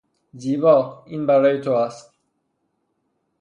زیبا، این برای تو است.